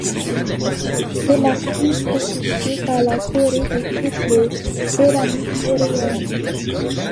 C'est la plus spécifique à la Corée de toutes les céramiques coréennes..